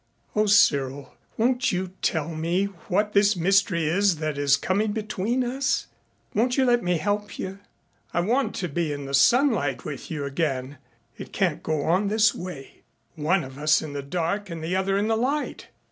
"Oh, Cyril, won't you tell me what this mystery is that is coming between us? Won't you let me help you? I want to be in the sunlight with you again. It can't go on this way, one of us in the dark and the other in the light.